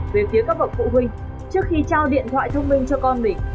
về phía các bậc phụ huynh trước khi trao điện thoại thông minh cho con mình